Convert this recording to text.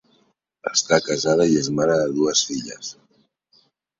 Està casada i és mare de dues filles.